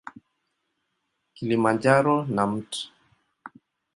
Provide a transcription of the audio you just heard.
Kilimanjaro na Mt.